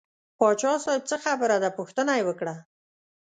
پاچا صاحب څه خبره ده پوښتنه یې وکړه.